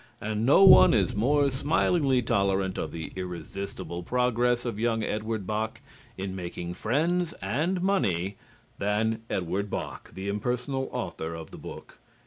And no one is more smilingly tolerant of the irresistible progress of young Edward Bok in making friends and money than Edward Bok the impersonal author of the book.